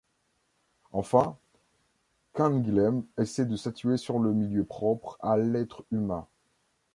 Enfin, Canguilhem essaie de statuer sur le milieu propre à l'être humain.